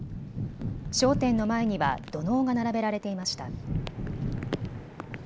商店の前には土のうが並べられていました。